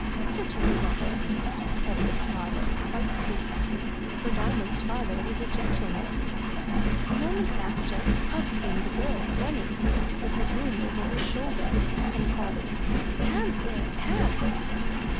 "Certainly not, Diamond," said his father, quite pleased, for Diamond's father was a gentleman. A moment after, up came the girl, running, with her broom over her shoulder, and calling, "Cab, there! cab!"